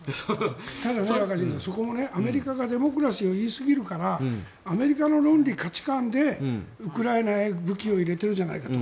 ただ、若新さんそこもアメリカがデモクラシーを言いすぎるからアメリカの論理、価値観でウクライナへ武器を入れてるじゃないかと。